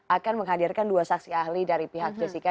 akan menghadirkan dua saksi ahli dari pihak jessica